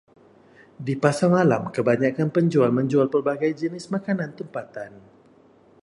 Di pasar malam kebanyakan penjual menjual pelbagai jenis makanan tempatan.